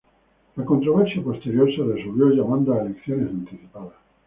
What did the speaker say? La controversia posterior se resolvió llamando a elecciones anticipadas.